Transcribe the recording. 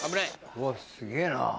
うわすげぇな。